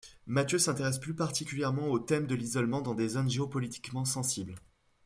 Matthieu s’intéresse plus particulièrement au thème de l’isolement dans des zones géo-politiquement sensibles.